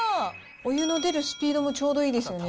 お湯の出るスピードもちょうどいいですね。